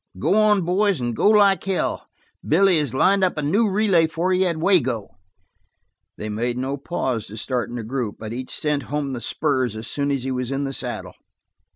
Go on, boys, and go like hell. Billy has lined up a new relay for you at Wago." They made no pause to start in a group, but each sent home the spurs as soon as he was in the saddle.